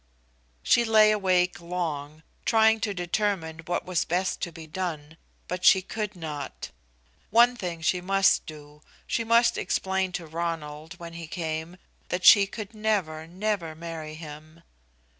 She lay awake long, trying to determine what was best to be done, but she could not. One thing she must do; she must explain to Ronald, when he came, that she could never, never marry him.